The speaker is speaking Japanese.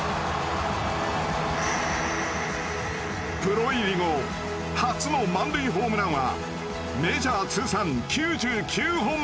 プロ入り後初の満塁ホームランはメジャー通算９９本目。